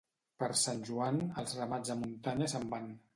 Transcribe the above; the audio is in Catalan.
Per Sant Joan, els ramats a muntanya se'n van.